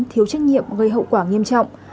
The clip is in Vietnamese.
thiếu trách nhiệm gây hậu quả nghiêm trọng